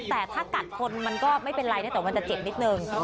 แต่ถ้ากัดคนมันก็ไม่เป็นไรนะแต่มันจะเจ็บนิดนึง